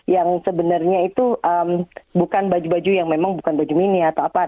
yang sebenarnya itu bukan baju baju yang memang bukan baju mini atau apa